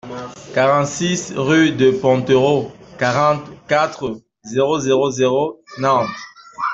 quarante-six rue du Pontereau, quarante-quatre, zéro zéro zéro, Nantes